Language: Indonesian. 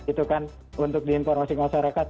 itu kan untuk di informasi masyarakat